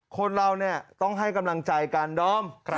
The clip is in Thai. คนเราเนี่ยต้องให้กำลังใจกันดอม